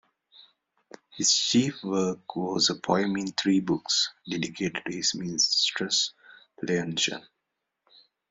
His chief work was a poem in three books, dedicated to his mistress Leontion.